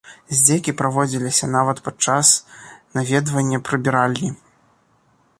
Здзекі праводзіліся нават пад час наведвання прыбіральні.